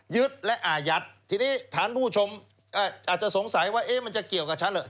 ยึดและอายัดทีนี้ฐานผู้ชมอาจจะสงสัยว่ามันจะเกี่ยวกับฉันเหรอ